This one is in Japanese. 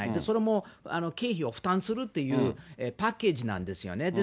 それも経費を負担するという、パッケージなんですよね。